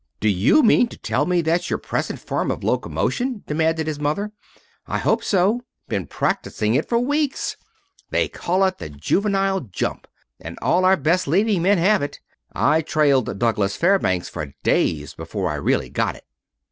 "Do you mean to tell me that's your present form of locomotion?" demanded his mother. "I hope so. Been practising it for weeks. They call it the juvenile jump, and all our best leading men have it. I trailed Douglas Fairbanks for days before I really got it."